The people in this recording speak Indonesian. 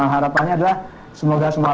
harapannya adalah semoga semua